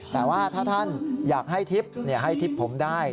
แต่ว่าถ้าท่านอยากให้ทิพย์ให้ทิพย์ผมได้